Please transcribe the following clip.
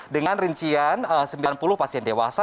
dengan rincian sembilan puluh pasien dewasa